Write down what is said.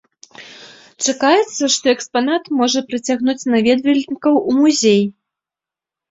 Чакаецца, што экспанат можа прыцягнуць наведвальнікаў у музей.